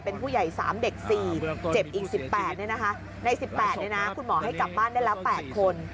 เป็นผู้ใหญ่๓เด็ก๔เจ็บอีก๑๘ใน๑๘คุณหมอให้กลับบ้านได้แล้ว๘คน